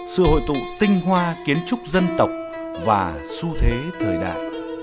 sự hội tụ tinh hoa kiến trúc dân tộc và xu thế thời đại